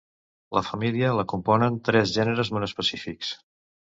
La família la component tres gèneres monoespecífics.